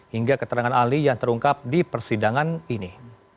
hingga keterangan ahli yang terungkap di persidangan ini